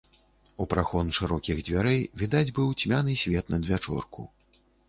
У прахон шырокіх дзвярэй відаць быў цьмяны свет надвячорку.